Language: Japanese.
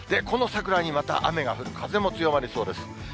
この桜にまた、雨が降る、風も強まりそうです。